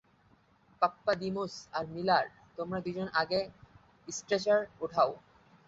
Pappadimos আর Miller, তোমরা দুজন আগে স্ট্রেচার ওঠাও।